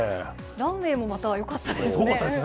ランウエーもまたよかったですね。